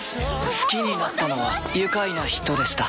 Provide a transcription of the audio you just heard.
好きになったのは愉快な人でした